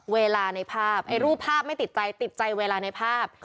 เวลาในภาพไอ้รูปภาพไม่ติดใจติดใจเวลาในภาพ